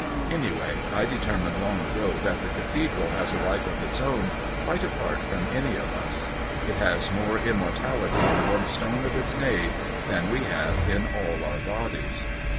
"Anyway, I determined long ago that the Cathedral has a life of its own, quite apart from any of us. It has more immortality in one stone of its nave than we have in all our bodies."